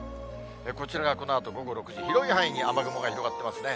こちらがこのあと午後６時、広い範囲に雨雲が広がってますね。